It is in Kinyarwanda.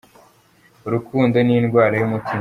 Urukundo ni indwara y'umutima.